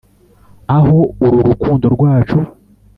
aho uru rukundo rwacu